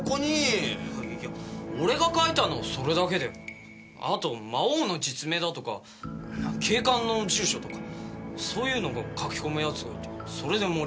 いや俺が書いたのはそれだけであと魔王の実名だとか警官の住所とかそういうのを書き込む奴がいてそれで盛り上がっちゃって。